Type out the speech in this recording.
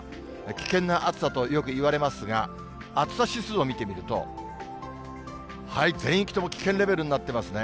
危険な暑さとよく言われますが、暑さ指数を見てみると、全域とも危険レベルになってますね。